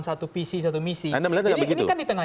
satu visi satu misi jadi ini kan di tengah